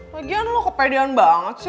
pagian lo kepedean banget sih